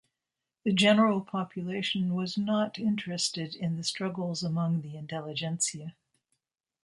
The general population was not interested in the struggles among the intelligentsia.